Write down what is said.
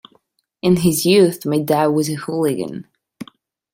In his youth my dad was a hooligan.